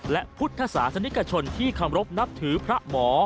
และพุทธศาสนิกชนที่เคารพนับถือพระหมอ